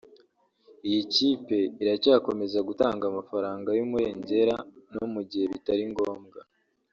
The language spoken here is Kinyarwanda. iyi kipe iracyakomeza gutanga amafaranga y’umurengera no mu gihe bitari ngombwa